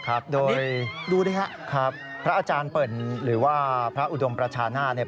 ครับโดยดูดิครับพระอาจารย์เปิ่นหรือว่าพระอุดมประชานาศเนี่ย